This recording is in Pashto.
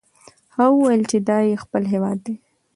هغه وویل چې دا یې خپل هیواد دی.